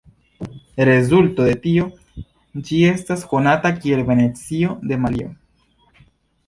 Rezulto de tio, ĝi estas konata kiel "Venecio de Malio".